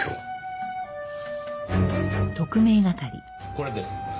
これです。